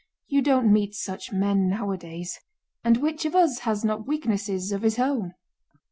You don't meet such men nowadays.... And which of us has not weaknesses of his own?"